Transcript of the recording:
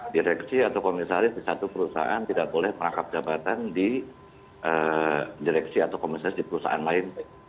direksi atau komisaris di satu perusahaan tidak boleh merangkap jabatan di direksi atau komisaris di perusahaan lain